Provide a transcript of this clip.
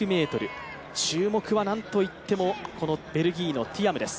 注目はなんといってもベルギーのティアムです。